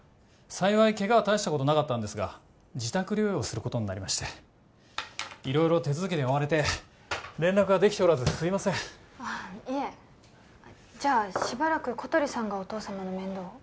幸いケガは大したことなかったんですが自宅療養することになりまして色々手続きに追われて連絡ができておらずすいませんあっいえじゃあしばらく小鳥さんがお父様の面倒を？